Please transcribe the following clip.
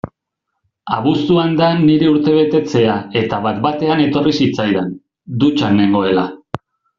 Abuztuan da nire urtebetetzea eta bat-batean etorri zitzaidan, dutxan nengoela.